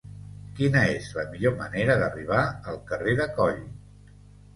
Quina és la millor manera d'arribar al carrer de Coll?